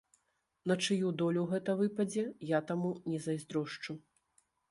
На чыю долю гэта выпадзе, я таму не зайздрошчу.